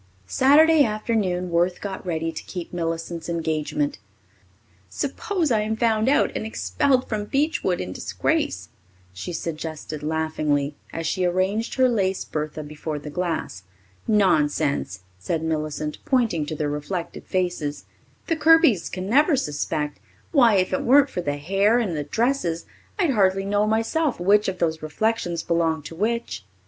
Saturday afternoon Worth got ready to keep Millicent's engagement. "Suppose I am found out and expelled from Beechwood in disgrace," she suggested laughingly, as she arranged her lace bertha before the glass. "Nonsense," said Millicent, pointing to their reflected faces. "The Kirbys can never suspect. Why, if it weren't for the hair and the dresses, I'd hardly know myself which of those reflections belonged to which."